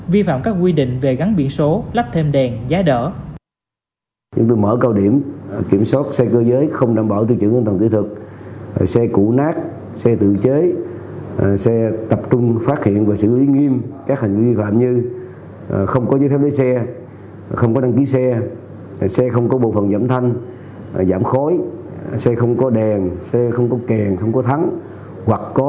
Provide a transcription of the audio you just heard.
vi phạm các quy định về gắn biển số lắp thêm đèn giá đỡ